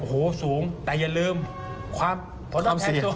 โอ้โหสูงแต่อย่าลืมความโผล่แทนคือสูง